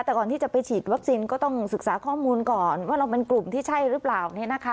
แต่ก่อนที่จะไปฉีดวัคซีนก็ต้องศึกษาข้อมูลก่อนว่าเราเป็นกลุ่มที่ใช่หรือเปล่า